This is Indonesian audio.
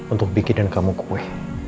untuk bikin kamu kue